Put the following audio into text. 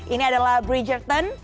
ini adalah bridgerton